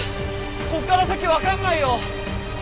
ここから先わかんないよ。